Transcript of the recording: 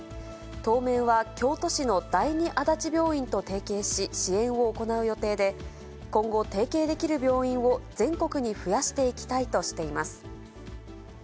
当面は京都市の第二足立病院と提携し、支援を行う予定で、今後、提携できる病院を全国に増やしていきたいとしています。